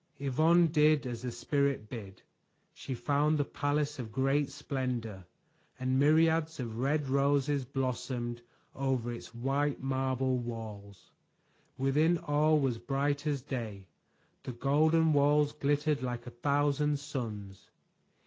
Yvonne did as the Spirit bid. She found the palace of great splendor, and myriads of red roses blossomed over its white marble walls. Within all was bright as day; the golden walls glittered like a thousand suns.